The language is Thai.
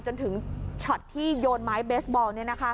จนถึงช็อตที่โยนไม้เบสบอลนี่นะคะ